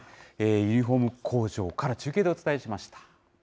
ユニホーム工場から中継でお伝えしました。